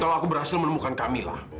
kalau aku berhasil menemukan kamilah